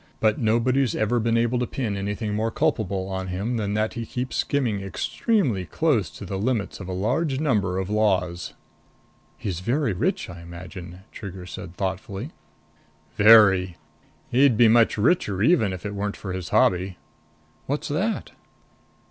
But nobody's ever been able to pin anything more culpable on him than that he keeps skimming extremely close to the limits of a large number of laws." "He's very rich, I imagine?" Trigger said thoughtfully. "Very. He'd be much richer even if it weren't for his hobby." "What's that?"